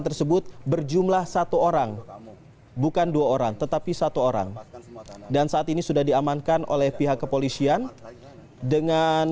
ketika dijumpai oleh polis polis menemukan pelaku dan menemukan belakang